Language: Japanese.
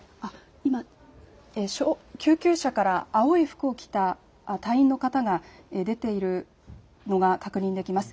今、救急車から青い服を着た隊員の方が出ているのが確認できます。